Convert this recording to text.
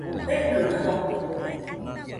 Fekɨma jofo.